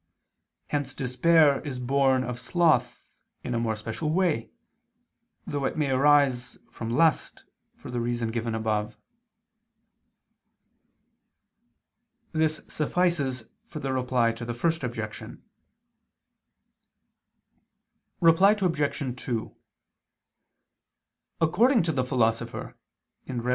Hence despair is born of sloth in a more special way: though it may arise from lust, for the reason given above. This suffices for the Reply to the First Objection. Reply Obj. 2: According to the Philosopher (Rhet.